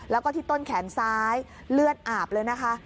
แล้วก็ที่ต้นแขนซ้ายเลือดอาบเลยนะคะ